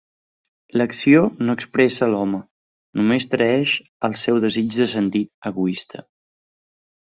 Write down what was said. L'acció no expressa l'home, només traeix al seu desig de sentit egoista.